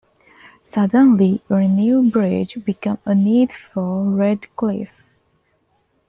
Suddenly a new bridge became a "need" for Redcliffe.